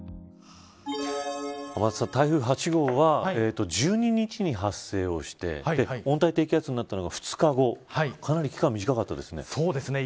天達さん、台風８号は１２日に発生して温帯低気圧になったのが２日後かなり期間短かったですね。